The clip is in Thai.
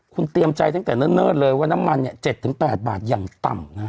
คุณเตรียมใจตั้งแต่เนิ่นเลยว่าน้ำมันเนี่ย๗๘บาทอย่างต่ำนะฮะ